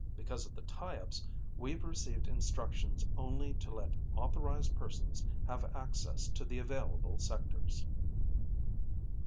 Because of the tie ups, we've received instructions only to let authorized persons have access to the available sectors."